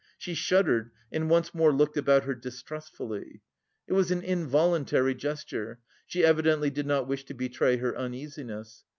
She shuddered and once more looked about her distrustfully. It was an involuntary gesture; she evidently did not wish to betray her uneasiness.